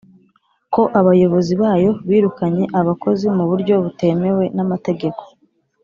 ko Abayobozi bayo birukanye abakozi mu buryo butemewe n amategeko